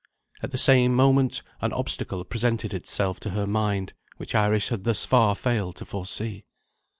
At the same moment an obstacle presented itself to her mind, which Iris had thus far failed to foresee.